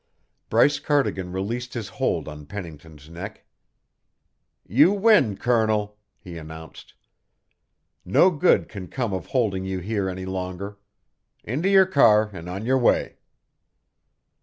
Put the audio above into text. Bryce Cardigan released his hold on Pennington's neck. "You win, Colonel," he announced. "No good can come of holding you here any longer. Into your car and on your way."